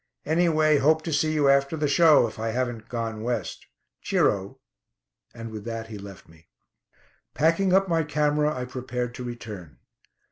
Anyway, hope to see you after the show, if I haven't 'gone West.' Cheero," and with that he left me. Packing up my camera, I prepared to return.